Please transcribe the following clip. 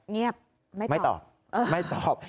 เงียบไม่ตอบ